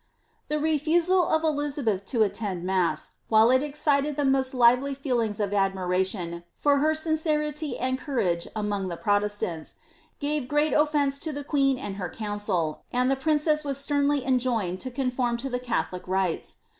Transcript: * The refusal of Elizabeth to attend mass, while it excited the most lively feelings of admiration for her sincerity and courage among the Protestants, gave great offence to the queen and her council, and the princess was sternly enjoined to conform to the Catholic rites.